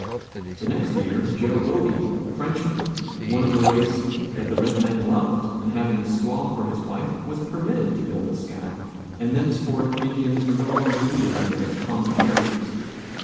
The next year, Joe Ogie, a Frenchman, one of a race that the red men loved, and having a squaw for his wife, was permitted to build a scow, and thenceforth Indians were no longer needed there as common carriers.